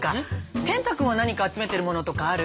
天嵩君は何か集めてるものとかある？